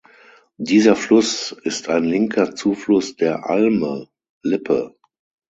Dieser Fluss ist ein linker Zufluss der Alme (Lippe).